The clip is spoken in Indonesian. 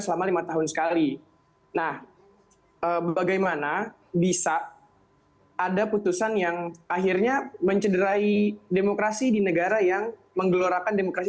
bagaimana bisa ada putusan yang mencederai demokrasi di negara yang bentuknya demokrasi